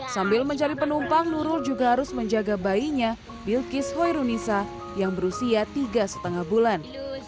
sambil mencari penumpang nurul juga harus menjaga bayinya bilkis hoirunisa yang berusia tiga lima bulan